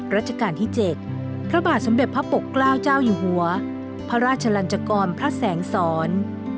ราชการที่๗พระบาทสมเด็จพระปกเกล้าเจ้าอยู่หัวพระราชลันจกรพระแสงสอน